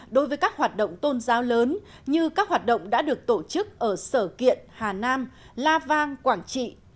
đối với các hoạt động tôn giáo lớn như các hoạt động đã được tổ chức ở sở kiện hà nam la vang quảng trị